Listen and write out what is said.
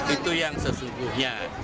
itu yang sesungguhnya